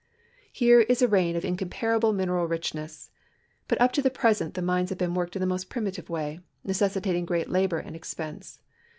Here is a region of incomparable mineral richness, but up to the present the mines have been worked in a most primitive way, necessitating great lal^or and ex pense.